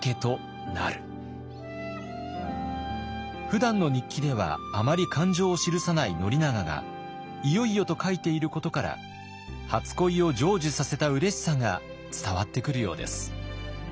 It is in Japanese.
ふだんの日記ではあまり感情を記さない宣長が「いよいよ」と書いていることから初恋を成就させたうれしさが伝わってくるようです。